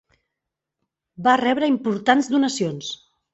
Va rebre importants donacions.